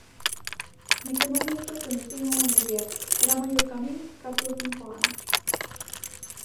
Nese momento coñecín a unha muller, era maior ca min catro ou cinco anos.